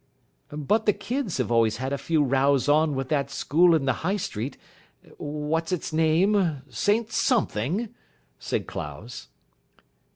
"But the kids have always had a few rows on with that school in the High Street what's it's name St Something?" said Clowes.